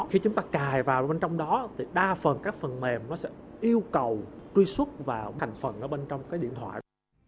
khi chúng ta cài vào bên trong đó thì đa phần các phần mềm nó sẽ yêu cầu truy xuất vào thành phần ở bên trong cái điện thoại